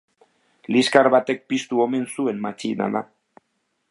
Liskar batek piztu omen zuen matxinada.